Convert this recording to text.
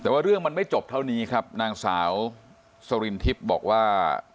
แต่ว่าเรื่องมันไม่จบเท่านี้ครับนางสาวสรินทิพย์บอกว่า